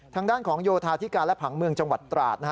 ทางด้านของโยธาธิการและผังเมืองจังหวัดตราด